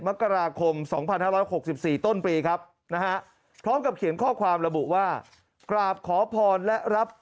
มกราคมสองพันห้าร้อยหกสิบสี่ต้นปีครับนะฮะพร้อมกับเขียนข้อความระบุว่ากราบขอพรและรับ